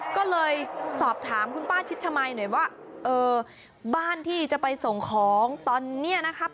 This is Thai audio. ก็เลยสอบถามคุณป้าชิดชมัยหน่อยว่าเออบ้านที่จะไปส่งของตอนนี้นะครับ